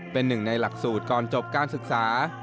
เป็นหนึ่งในหลักสูตรก่อนจบการศึกษา